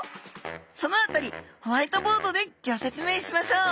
その辺りホワイトボードでギョ説明しましょう！